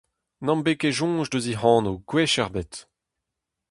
Ne'm bez ket soñj eus hec'h anv gwech ebet.